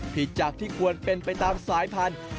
จากที่ควรเป็นไปตามสายพันธุ์